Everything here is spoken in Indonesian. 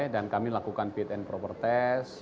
dan kami lakukan fit and proper test